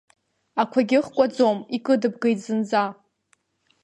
Ақәагьы хкәаӡом, икыдыбгеит зынӡа.